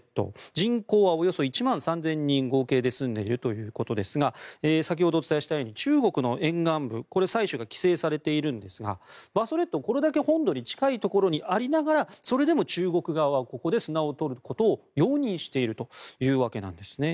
人口はおよそ１万３０００人住んでいるということですが先ほどお伝えしたように中国の沿岸部、これは採取が規制されているんですが馬祖列島、これだけ本土に近いところにありながらそれでも中国側はここで砂を取ることを容認しているというわけなんです。